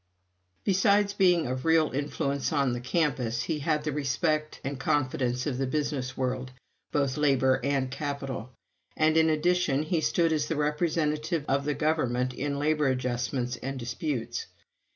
Besides being of real influence on the campus, he had the respect and confidence of the business world, both labor and capital; and in addition, he stood as the representative of the Government in labor adjustments and disputes.